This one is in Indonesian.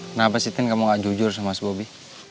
kenapa siti kamu enggak jujur sama mas bobi